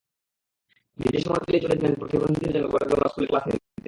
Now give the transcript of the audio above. নিজে সময় পেলেই চলে যেতেন প্রতিবন্ধীদের জন্য গড়ে তোলা স্কুলে ক্লাস নিতে।